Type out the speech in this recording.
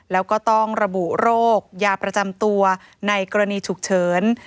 แล้วก็ต้องระบุโรคยาประจำตัวในกรณีฉุกเฉิน